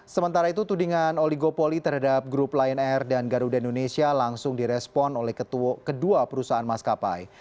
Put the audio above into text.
sementara itu tudingan oligopoli terhadap grup lion air dan garuda indonesia langsung direspon oleh kedua perusahaan maskapai